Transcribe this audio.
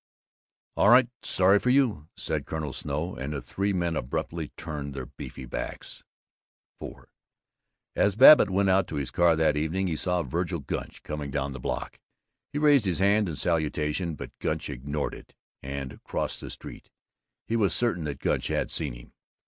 "All right. Sorry for you!" said Colonel Snow, and the three men abruptly turned their beefy backs. IV As Babbitt went out to his car that evening he saw Vergil Gunch coming down the block. He raised his hand in salutation, but Gunch ignored it and crossed the street. He was certain that Gunch had seen him.